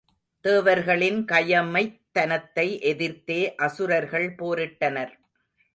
தேவர்களின் கயமைத் தனத்தை எதிர்த்தே அசுரர்கள் போரிட்டனர்.